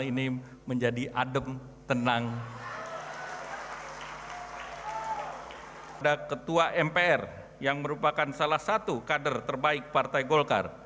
ini menjadi adem tenang dan ketua mpr yang merupakan salah satu kader terbaik partai golkar